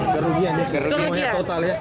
terlugian ya kerja semuanya total ya